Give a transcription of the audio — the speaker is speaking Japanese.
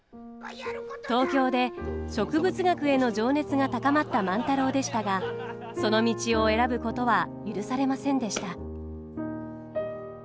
東京で植物学への情熱が高まった万太郎でしたがその道を選ぶことは許されませんでした。